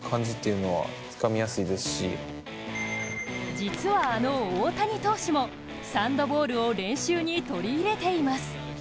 実は、あの大谷投手もサンドボールを練習に取り入れています。